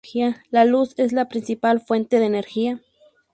La luz es la principal fuente de energía.